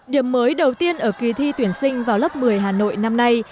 điểm mới đầu tiên ở kỳ thi tuyển sinh vào lớp một mươi hà nội năm nay